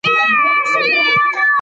ونه د موسمونو بدلون ویني.